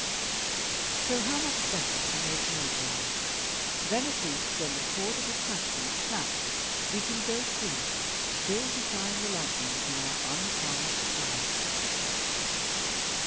So how much better to make no vow; then at least when the cord of attraction snaps, we can go free, still defying the lightning in our untarnished pride."